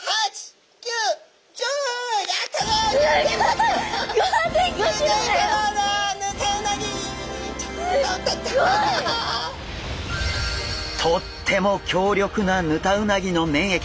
すごい！とっても強力なヌタウナギの粘液。